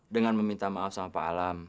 dengan meminta maaf sama pak alam